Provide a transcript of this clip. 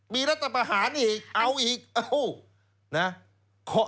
มีรัฐประหารอีกเอาอีกเอานะ